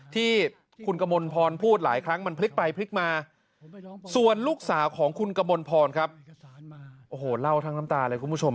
ที่คุณกมลพรพูดหลายครั้งมันพลิกไปพลิกมาส่วนลูกสาวของคุณกมลพรครับโอ้โหเล่าทั้งน้ำตาเลยคุณผู้ชม